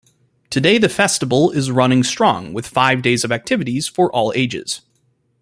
Today the festival is running strong with five days of activities for all ages.